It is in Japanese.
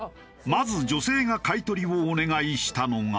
まず女性が買い取りをお願いしたのが。